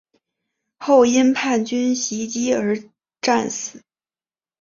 后因叛军袭击而战死。